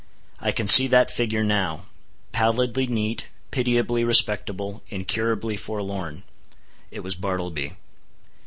I can see that figure now—pallidly neat, pitiably respectable, incurably forlorn! It was Bartleby.